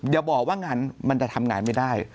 อย่าบอกว่างานมันจะทำงานไม่ได้